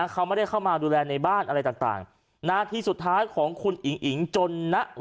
เขาไม่ได้เข้ามาดูแลในบ้านอะไรต่างนาทีสุดท้ายของคุณอิ๋งอิ๋งจนนะ